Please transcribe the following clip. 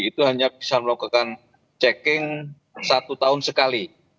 itu hanya bisa melakukan checking satu tahun sekali